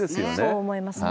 そう思いますね。